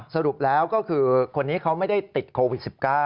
สรุปแล้วก็คือคนนี้เขาไม่ได้ติดโควิด๑๙